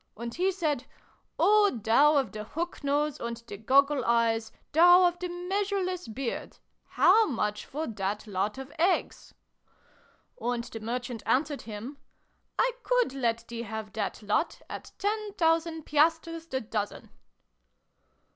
And he said ' Oh, thou of the hook nose and the goggle eyes, thou of the measureless beard, how much for that lot of eggs ?' 198 SYLVIE AND BRUNO CONCLUDED. " And the Merchant answered him ' I could let thee have that lot at ten thousand piastres the dozen.'